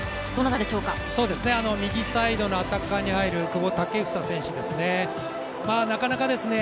右サイドのアタッカーに入る久保建英選手ですね。